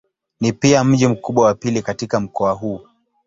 Ni pia mji mkubwa wa pili katika mkoa huu.